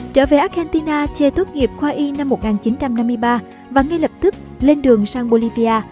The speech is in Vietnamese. trở về argentina ché tốt nghiệp khoa y năm một nghìn chín trăm năm mươi ba và ngay lập tức lên đường sang bolivia